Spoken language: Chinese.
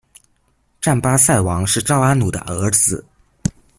占巴塞王是昭阿努的儿子。